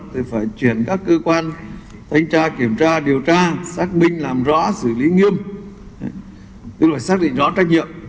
thì phải chuyển các cơ quan thanh tra kiểm tra điều tra xác minh làm rõ xử lý nghiêm tức là xác định rõ trách nhiệm